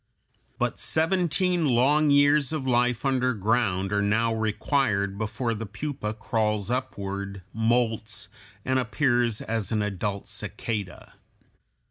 But seventeen long years of life underground are now required before the pupa crawls upward, molts, and appears as an adult cicada.